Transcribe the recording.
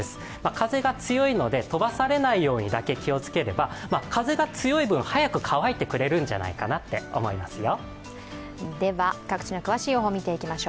風が強いので、飛ばされないようにだけ気をつければ風が強い分、早く乾いてくれるんじゃないかと思いますよ。